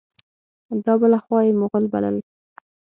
دا بله خوا یې مغل بلل.